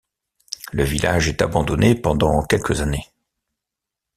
Le village est abandonné pendant quelques années.